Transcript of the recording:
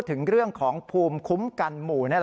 ตอนต่อไป